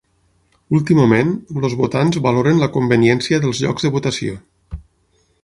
Últimament, els votants valoren la conveniència dels llocs de votació.